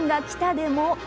でも。